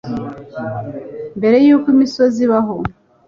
Mbere y’uko imisozi ibaho